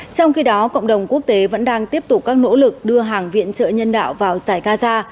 trong khi đó cộng đồng quốc tế vẫn đang tiếp tục các nỗ lực đưa hàng viện trợ nhân đạo vào giải gaza